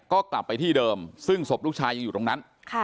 ก็กลับไปที่เดิมซึ่งศพลูกชายยังอยู่ตรงนั้น